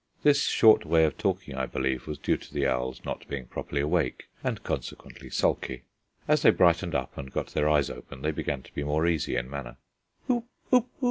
This short way of talking, I believe, was due to the owls not being properly awake and consequently sulky. As they brightened up and got their eyes open, they began to be more easy in manner.